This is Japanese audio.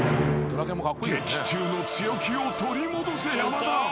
［劇中の強気を取り戻せ山田］